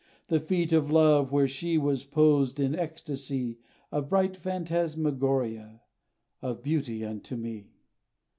The feet of love where she Was posed, in extacy, Of bright phantasmagoria, Of beauty unto me!